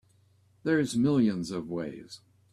There's millions of ways.